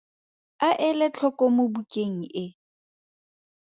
A ele tlhoko mo bukeng e.